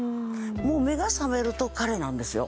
もう目が覚めると彼なんですよ。